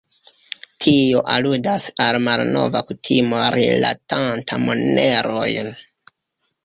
Tio aludas al malnova kutimo rilatanta monerojn.